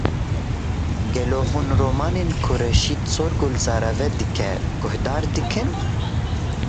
Gelo hûn romanên ku Reşad Sorgul zareve dike guhdar dikin?